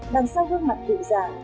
đằng sau gương mặt tự dàng